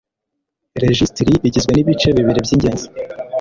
rejisitiri igizwe n'ibice bibiri by'ingenzi